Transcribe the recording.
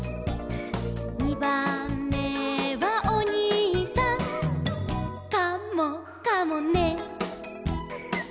「にばんめはおにいさん」「カモかもね」